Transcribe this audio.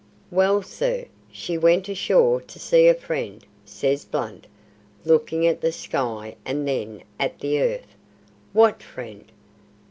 "Well, sir, she went ashore to see a friend," says Blunt, looking at the sky and then at the earth. "What friend?"